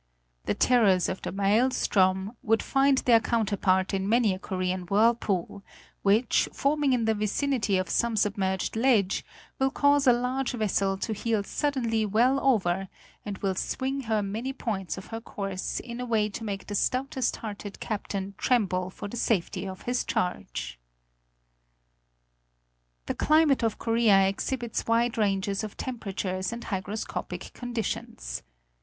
The terrors of the Maelstrom would find their counterpart in many a Korean whirlpool, which, forming in the vicinity of some submerged ledge, will cause a large vessel to heel suddenly well over, and will swing her many points off her course in a way to make the stoutest hearted captain tremble for the safety of his charge. The climate of Korea exhibits wide ranges of temperatures and hygroscopic conditions.